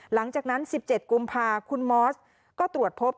หลังจากนั้น๑๗กุมภาคมคุณมอสก็ตรวจพบ